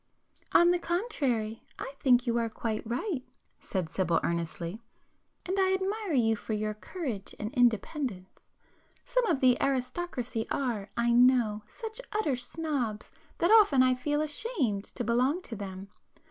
"On the contrary, I think you are quite right"—said Sibyl earnestly—"And I admire you for your courage and independence. Some of the aristocracy are, I know, such utter snobs that often I feel ashamed to belong to them.